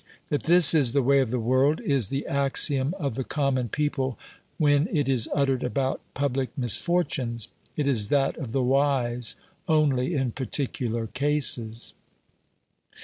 That this is the way of the world, is the axiom of the common people when it is uttered about public misfortunes ; it is that of the wise only in particular cases.